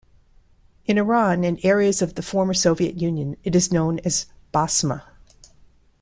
In Iran and areas of the former Soviet Union it is known as basma.